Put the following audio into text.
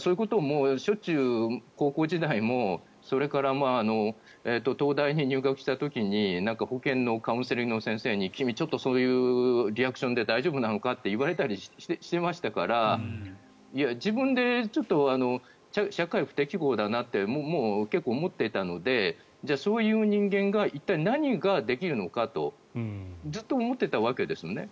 そういうこともしょっちゅう、高校時代もそれから東大に入学した時に保健のカウンセリングの先生に君、ちょっとそんなリアクションで大丈夫なのかって言われたりしてましたから自分で社会不適合だなって結構思っていたのでそういう人間が一体、何ができるのかとずっと思ってたわけですね。